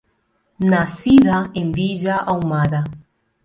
Nacida en Villa Ahumada.